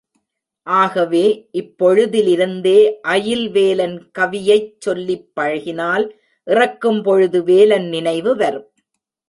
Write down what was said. ஆகவே, இப்பொழுதிலிருந்தே அயில் வேலன் கவியைச் சொல்லிப் பழகினால் இறக்கும் பொழுது வேலன் நினைவு வரும்.